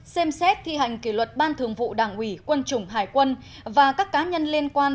ba xem xét thi hành kỷ luật ban thường vụ đảng ủy quân chủng hải quân và các cá nhân liên quan